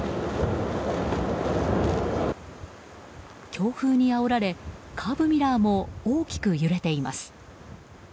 強風にあおられカーブミラーも大きく揺れています。